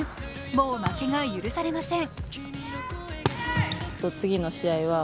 もう負けが許されません。